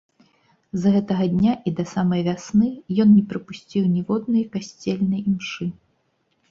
З гэтага дня і да самай вясны ён не прапусціў ніводнай касцельнай імшы.